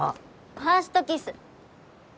ファーストキス